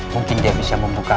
mungkin dia bisa membuka